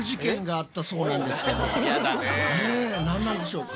何なんでしょうか？